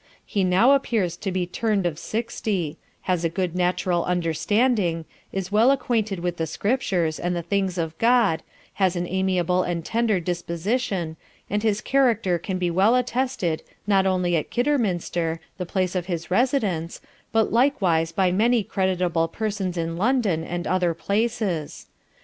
He now appears to be turn'd of Sixty; has a good natural Understanding; is well acquainted with the Scriptures, and the Things of God, has an amiable and tender Disposition, and his Character can be well attested not only at Kidderminster, the Place of his Residence but likewise by many creditable Persons in London and other Places.